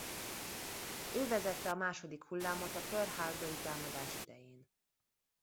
Ő vezette a második hullámot a Pearl Harbor-i támadás idején.